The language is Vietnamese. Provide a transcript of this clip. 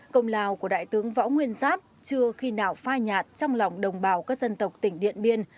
công lào của đại tướng võ nguyên giáp chưa khi nào phai nhạt trong lòng đồng bào các dân tộc tỉnh điện biên